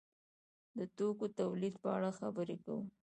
د توکو تولید په اړه خبرې کوو.